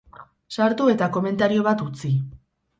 Sartu eta komentario bat utzi!